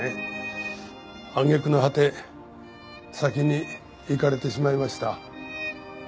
揚げ句の果て先に逝かれてしまいました。